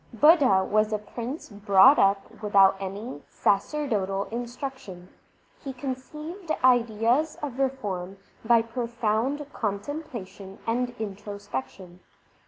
Budha was a prince brought up without any sacerdotal instruction. He conceived ideas of reform by profound contemplation and introspection.